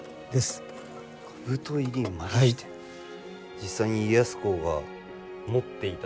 実際に家康公が持っていた。